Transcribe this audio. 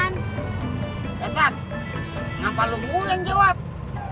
tidak ada yang ngerti